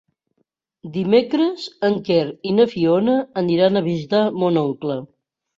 Dimecres en Quer i na Fiona aniran a visitar mon oncle.